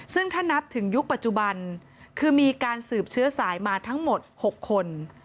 ซึ่งถ้านับถึงยุคปัจจุบันคือมีการสืบเชื้อสายมาทั้งหมด๖คน